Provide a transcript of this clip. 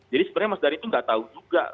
jadi sebenarnya mas dhani itu nggak tahu juga